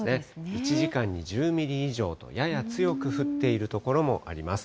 １時間に１０ミリ以上と、やや強く降っている所もあります。